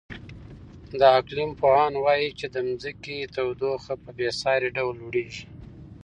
د اقلیم پوهان وایي چې د ځمکې تودوخه په بې ساري ډول لوړېږي.